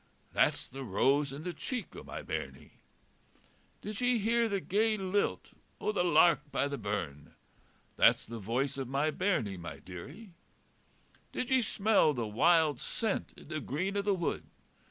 That's the rose in the cheek o' my bairnie. Did ye hear the gay lilt o' the lark by the burn? That's the voice of my bairnie, my dearie. Did ye smell the wild scent in the green o' the wood?